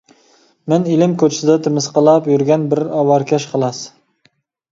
مەن ئىلىم كوچىسىدا تىمىسقىلاپ يۈرگەن بىر ئاۋارىكەش خالاس.